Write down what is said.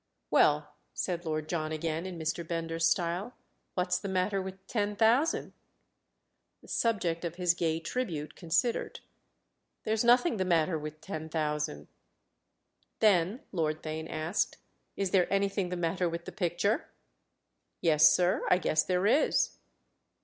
"Well," said Lord John again in Mr. Bender's style, "what's the matter with ten thousand?" The subject of his gay tribute considered. "There's nothing the matter with ten thousand." "Then," Lord Theign asked, "is there anything the matter with the picture?" "Yes, sir—I guess there is."